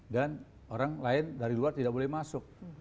dan orang lain dari luar tidak boleh masuk